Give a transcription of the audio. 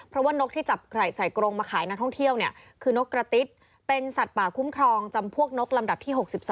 เพราะว่านกที่จับใส่กรงมาขายนักท่องเที่ยวเนี่ยคือนกกระติ๊ดเป็นสัตว์ป่าคุ้มครองจำพวกนกลำดับที่๖๒